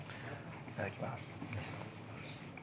いただきます。